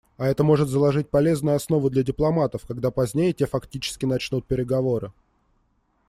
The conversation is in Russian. А это может заложить полезную основу для дипломатов, когда позднее те фактически начнут переговоры.